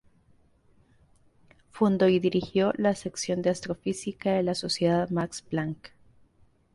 Fundó y dirigió la sección de astrofísica de la Sociedad Max Planck.